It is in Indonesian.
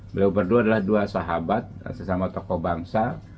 beliau berdua adalah dua sahabat sesama tokoh bangsa